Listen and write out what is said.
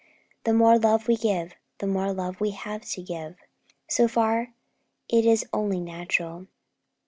The more love we give, the more we have to give. So far it is only natural.